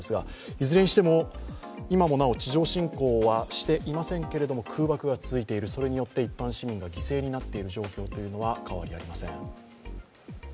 いずれにしても、今もなお地上侵攻はしていませんけれども空爆が続いている、それによって一般市民が犠牲になっている状況というのは変わりありません。